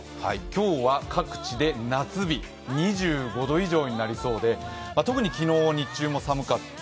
今日は各地で夏日、２５度以上になりそうで、特に昨日の日中も寒かった。